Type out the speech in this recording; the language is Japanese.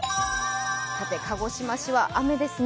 さて、鹿児島市は雨ですね。